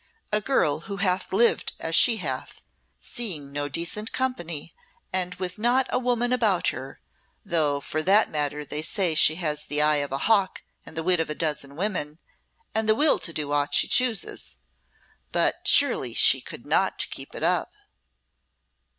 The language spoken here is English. A girl who hath lived as she hath, seeing no decent company and with not a woman about her though for that matter they say she has the eye of a hawk and the wit of a dozen women, and the will to do aught she chooses. But surely she could not keep it up!"